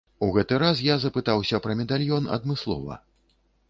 У гэты раз я запытаўся пра медальён адмыслова.